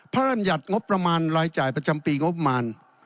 บรรยัติงบประมาณรายจ่ายประจำปีงบประมาณ